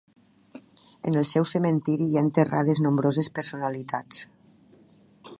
En el seu cementiri hi ha enterrades nombroses personalitats.